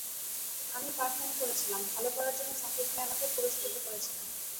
আমি পারফর্ম করেছিলাম, ভালো করার জন্য সাকিব ভাই আমাকে পুরস্কৃত করেছিলেন।